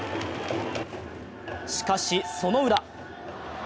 しかし、そのウラ。